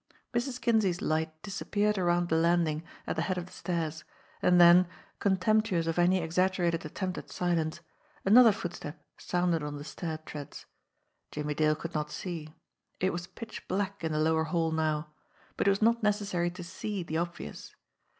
MOTHER MARGOT 55 Mrs. Kinsey's light disappeared around the landing at the head of the stairs, and then, contemptuous of any exag gerated attempt at silence, another footstep sounded on the stair treads. Jimmie Dale could not see, it was pitch black in the lower hall now, but it was not necessary to see the obvious.